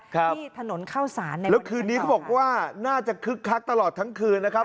ที่ถนนเข้าสารนะครับแล้วคืนนี้เขาบอกว่าน่าจะคึกคักตลอดทั้งคืนนะครับ